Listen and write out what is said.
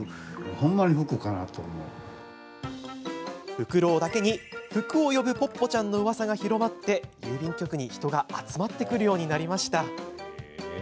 ふくろうだけに福を呼ぶポッポちゃんのうわさが広まり郵便局に人が集まってくるようになりました。